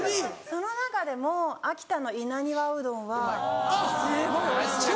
その中でも秋田の稲庭うどんはすごいおいしい。